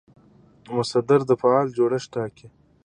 مصدر د فعل جوړښت ټاکي.